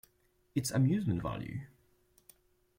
It's amusement value.